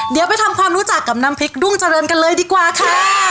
เดี๋ยวไปทำความรู้จักกับน้ำพริกดุ้งเจริญกันเลยดีกว่าค่ะ